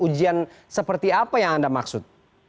ujian seperti apa yang anda maksud